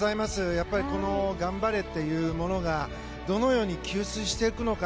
やっぱりこの頑張れというものがどのように吸収していくのか。